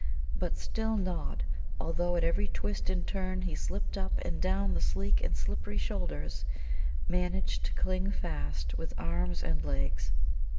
But still Nod, although at every twist and turn he slipped up and down the sleek and slippery shoulders, managed to cling fast with arms and legs.